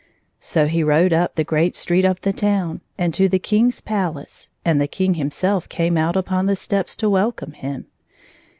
So he rode up the great street of the town, and to the King's palace. And the King himself came out upon the steps to welcome him.